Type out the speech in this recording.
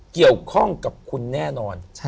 เกี่ยวข้องกับคุณแน่นอน